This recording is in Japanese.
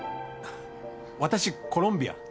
私コロンビア